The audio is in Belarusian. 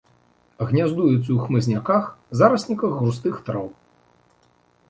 Гняздуецца ў хмызняках, зарасніках густых траў.